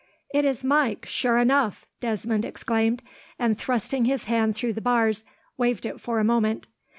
"It is Mike, sure enough," Desmond exclaimed, and, thrusting his hand through the bars, waved it for a moment.